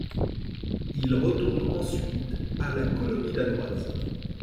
Il retourne ensuite à la colonie danoise.